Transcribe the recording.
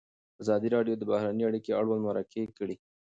ازادي راډیو د بهرنۍ اړیکې اړوند مرکې کړي.